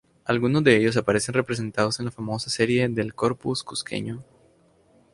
Algunos de ellos aparecen representados en la famosa serie del Corpus cusqueño.